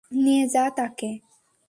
নিয়ে যা তাকে।